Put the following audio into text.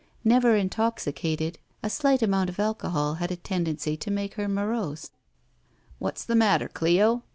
Never intoxicated, a slight amount of alcohol had a tendency to make her morose. "What's the matter, Cleo?"